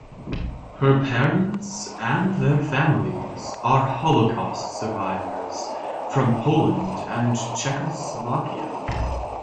Her parents and their families are Holocaust survivors from Poland and Czechoslovakia.